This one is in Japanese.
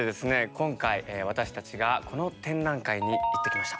今回私たちがこの展覧会に行ってきました。